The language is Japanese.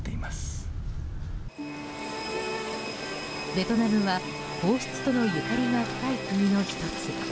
ベトナムは、皇室とのゆかりが深い国の１つ。